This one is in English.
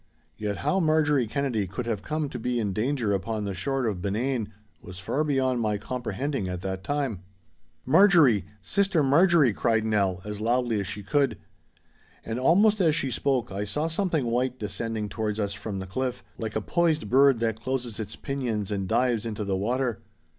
Yet how Marjorie Kennedy could have come to be in danger upon the shore of Benane was far beyond my comprehending at that time. 'Marjorie! Sister Marjorie!' cried Nell, as loudly as she could. And almost as she spoke I saw something white descending towards us from the cliff, like a poised bird that closes its pinions and dives into the water.